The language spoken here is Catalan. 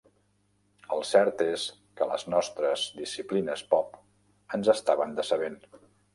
El cert és que les nostres disciplines pop ens estaven decebent.